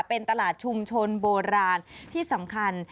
เป็นตลาดชุมชนโบราณที่สำคัญ